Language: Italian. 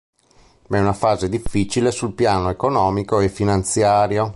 Ma è una fase difficile sul piano economico e finanziario.